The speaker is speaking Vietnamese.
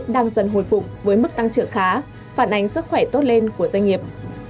đang dần hồi phục với mức tăng trưởng khá phản ánh sức khỏe tốt lên của doanh nghiệp